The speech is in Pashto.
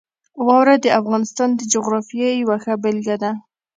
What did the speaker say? واوره د افغانستان د جغرافیې یوه ښه بېلګه ده.